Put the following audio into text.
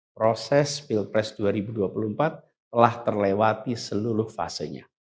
proses pilpres dua ribu dua puluh empat telah terlewati seluruh fasenya